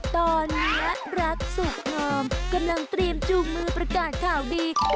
ตอนนี้รักสุขงอมกำลังเตรียมจูงมือประกาศข่าวดี